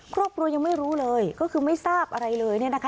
ครอบครัวยังไม่รู้เลยก็คือไม่ทราบอะไรเลยเนี่ยนะคะ